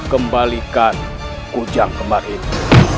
kembalikan kunjang kembar ini